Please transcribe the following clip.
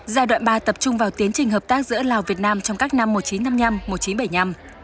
giai đoạn ba tập trung vào tiến trình hợp tác giữa lào việt nam trong các năm một nghìn chín trăm năm mươi năm một nghìn chín trăm bảy mươi năm